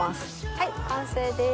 はい完成です。